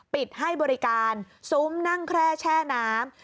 ปิดให้บริการซุ้มนั่งแคร่แช่น้ำ